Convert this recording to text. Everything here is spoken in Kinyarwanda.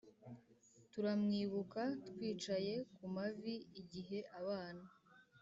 turamwibuka twicaye kumavi igihe abana,